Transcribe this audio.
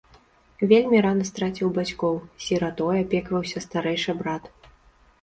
Вельмі рана страціў бацькоў, сіратой апекаваўся старэйшы брат.